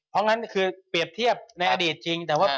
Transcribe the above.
เพราะงั้นเปรียบเทียบในอดีตจริงเท่าไหร่